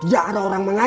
tidak ada orang masyarakat